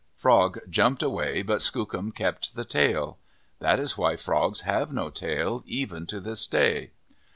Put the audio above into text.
Frog jumped away but Skookum kept the tail. That is why frogs have no tail, even to this day.